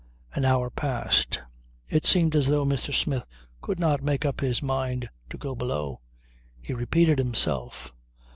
An hour passed. It seemed as though Mr. Smith could not make up his mind to go below. He repeated himself.